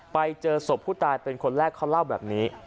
ไปเจอศพผู้ตายเป็นคนแรกเขาเล่าแบบนี้